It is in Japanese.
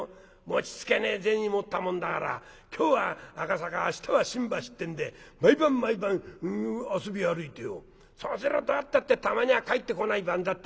持ちつけねえ銭持ったもんだから今日は赤坂明日は新橋ってんで毎晩毎晩遊び歩いてよそうすると何たってたまには帰ってこない晩だってあるよ。